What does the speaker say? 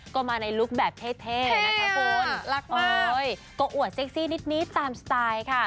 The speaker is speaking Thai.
ก็มาในลุคแบบเท่นะคะคุณรักมากก็อวดเซ็กซี่นิดตามสไตล์ค่ะ